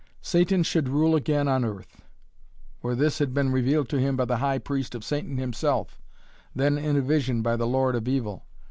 Satan should rule again on earth. For this had been revealed to him by the High Priest of Satan himself, then in a vision by the Lord of Evil.